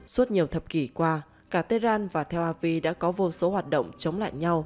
suốt nhiều thập kỷ qua cả tehran và tel avi đã có vô số hoạt động chống lại nhau